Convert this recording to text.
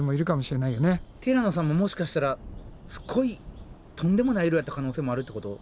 ティラノさんももしかしたらすっごいとんでもない色やった可能性もあるってこと？